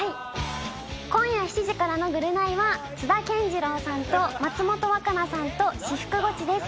今夜７時からの『ぐるナイ』は津田健次郎さんと松本若菜さんと私服ごちです。